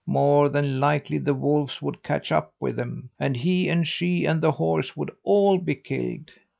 More than likely the wolves would catch up with them, and he and she and the horse would all be killed.